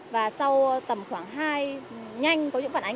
và sau tầm khoảng hai nhanh có những phản ánh